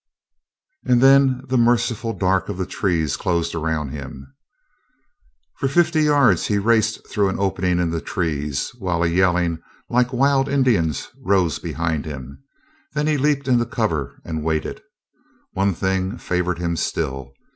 And then the merciful dark of the trees closed around him. For fifty yards he raced through an opening in the trees, while a yelling like wild Indians rose behind him; then he leaped into cover and waited. One thing favored him still.